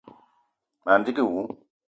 Ma ndigui wou.